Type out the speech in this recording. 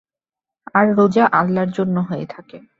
আর রোজা আল্লাহর জন্য হয়ে থাকে।